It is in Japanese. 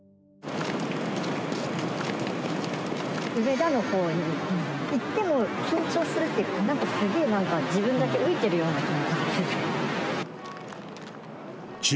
梅田のほうに行っても緊張するというか、なんかすごいなんか、自分だけ浮いている感じがして。